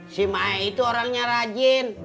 si maya itu orangnya rajin